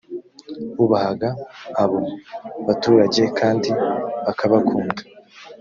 bubahaga abo baturage kandi bakabakunda